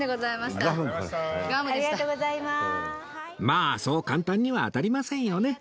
まあそう簡単には当たりませんよね。